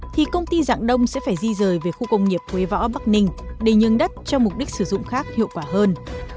thì công ty dạng đông sẽ phải di rời về khu công nghiệp quế võ bắc ninh để nhường đất cho mục đích sử dụng khác hiệu quả hơn